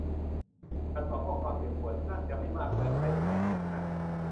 ฉันหวังว่าความเจ็บปวดนั่นจะไม่มากเกินไปสำหรับคุณนะ